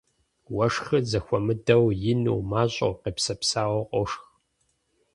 Уэшхыр зэхуэмыдэу, ину, мащӀэу, къепсэпсауэу, къошх.